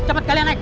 jangan lari kau